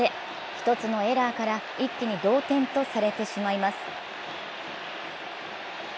１つのエラーから一気に同点とされてしまいます。